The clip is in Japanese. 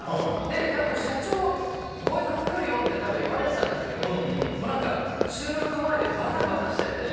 多分、社長がごあいさつ来るよって多分言われてたんですけど収録前でバタバタしてて。